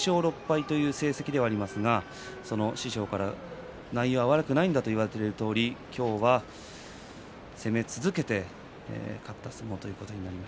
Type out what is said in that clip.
前半戦２勝６敗という成績ではありますが師匠から内容は悪くないんだと言われているとおり今日は攻め続けて勝った相撲ということになります。